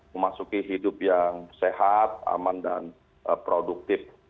memasuki hidup yang sehat aman dan produktif